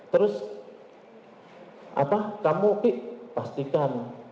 terus apa kamu pi pastikan